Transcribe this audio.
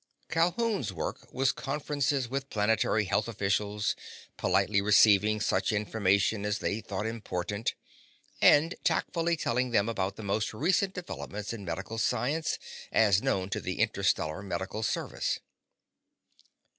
Calhoun's work was conferences with planetary health officials, politely receiving such information as they thought important, and tactfully telling them about the most recent developments in medical science as known to the Interstellar Medical Service.